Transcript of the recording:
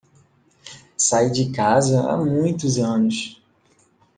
Saí de casa há muitos anos.